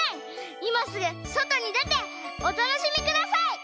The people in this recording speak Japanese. いますぐそとにでておたのしみください！